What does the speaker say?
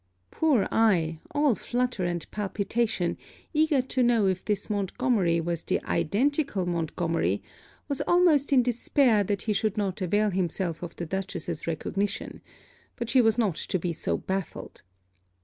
Poor I, all flutter and palpitation, eager to know if this Montgomery was the identical Montgomery, was almost in despair that he should not avail himself of the Dutchess's recognition; but she was not to be so baffled.